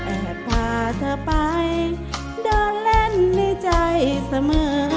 แอบพาเธอไปเดินเล่นในใจเสมอ